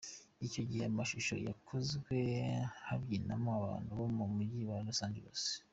Icyo gihe, aya mashusho yakozwe habyinamo abantu bo mu mujyi wa Los Angeless.